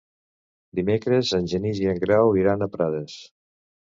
Dimecres en Genís i en Grau iran a Prades.